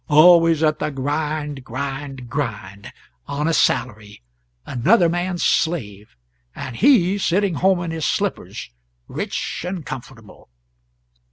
Always at the grind, grind, grind, on a salary another man's slave, and he sitting at home in his slippers, rich and comfortable."